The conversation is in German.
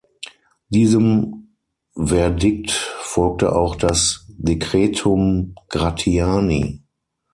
Diesem Verdikt folgte auch das "Decretum Gratiani".